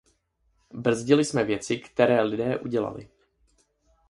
Brzdili jsme věci, které lidé udělali.